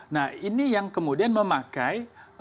nah ini yang kemudian memakai